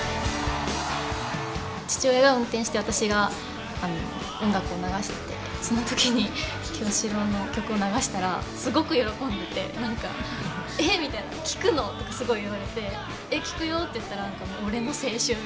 父親が運転して私が音楽を流しててその時にキヨシローの曲を流したらすごく喜んでてなんか「えっ⁉」みたいな「聴くの？」とかすごい言われて「えっ聴くよ」って言ったら「俺の青春」みたいな感じで。